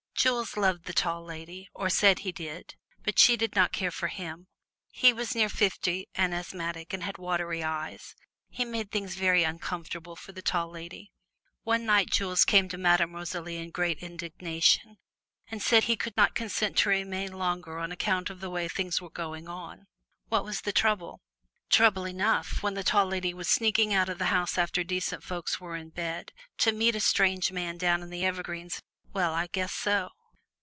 Jules loved the Tall Lady, or said he did, but she did not care for him. He was near fifty and asthmatic and had watery eyes. He made things very uncomfortable for the Tall Lady. One night Jules came to Madame Rosalie in great indignation and said he could not consent to remain longer on account of the way things were going on. What was the trouble? Trouble enough, when the Tall Lady was sneaking out of the house after decent folks were in bed, to meet a strange man down in the evergreens! Well I guess so!!